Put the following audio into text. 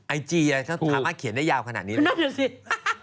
ไอจีถามมาเขียนได้ยาวขนาดนี้เลย